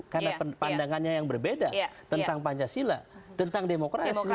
karena pandangannya yang berbeda tentang pancasila tentang demokrasi